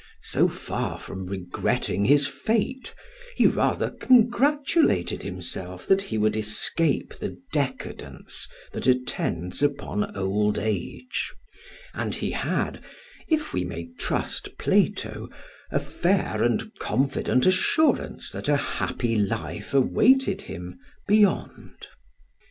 So far from regretting his fate he rather congratulated himself that he would escape the decadence that attends upon old age; and he had, if we may trust Plato, a fair and confident assurance that a happy life awaited him beyond.